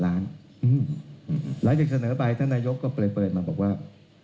หลังจากเสนอไปท่านนายกก็เปิดมาบอกว่า